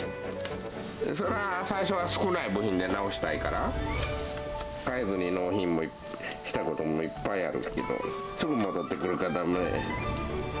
そりゃあ、最初は少ない部品で直したいから、換えずに納品をしたこともいっぱいあるけど、すぐ戻ってくるからだめ。